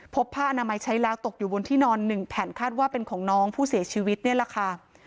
ผ้าอนามัยใช้แล้วตกอยู่บนที่นอนหนึ่งแผ่นคาดว่าเป็นของน้องผู้เสียชีวิตนี่แหละค่ะ